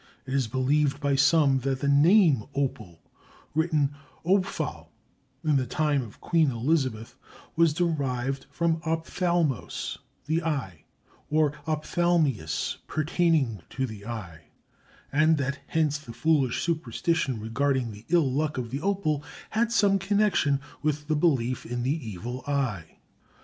It is believed by some that the name "opal"—written "ophal" in the time of Queen Elizabeth—was derived from ophthalmos, the eye, or ophthalmius, pertaining to the eye, and that hence the foolish superstition regarding the ill luck of the opal had some connection with the belief in the Evil Eye.